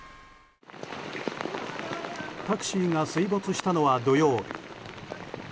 タクシーが水没したのは土曜日。